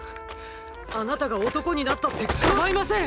あなたが男になったって構いません！！